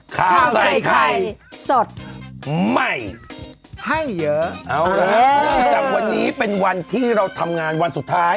ข้าวใส่ไข่สดใหม่ให้เยอะเอาละฮะเนื่องจากวันนี้เป็นวันที่เราทำงานวันสุดท้าย